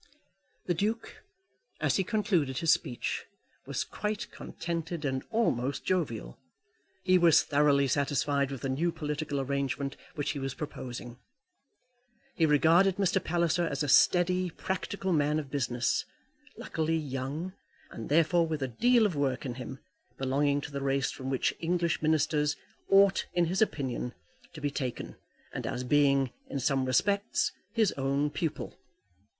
The Duke, as he concluded his speech, was quite contented, and almost jovial. He was thoroughly satisfied with the new political arrangement which he was proposing. He regarded Mr. Palliser as a steady, practical man of business, luckily young, and therefore with a deal of work in him, belonging to the race from which English ministers ought, in his opinion, to be taken, and as being, in some respects, his own pupil.